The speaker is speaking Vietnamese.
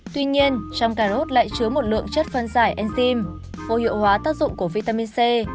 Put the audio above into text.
tuy nhiên trong cà rốt lại chứa một lượng chất phân giải enzym vô hiệu hóa tác dụng của vitamin c